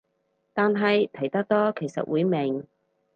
但係睇得多其實會明